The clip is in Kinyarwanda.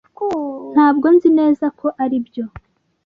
ntabwo nzi neza ko aribyo.